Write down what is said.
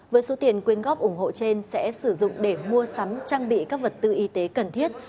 với số tiền quyên góp ủng hộ trên sẽ sử dụng để mua sắm trang bị các vật tư y tế cần thiết